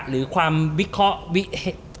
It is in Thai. หรือความวิเคราะห์วิก